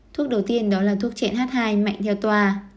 thuốc đầu tiên đó là thuốc triện h hai mạnh theo toa